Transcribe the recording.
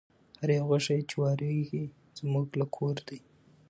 هر یو غشی چي واریږي زموږ له کور دی